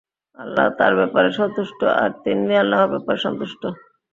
আল্লাহ তাঁর ব্যাপারে সন্তুষ্ট আর তিনিও আল্লাহর ব্যাপারে সন্তুষ্ট।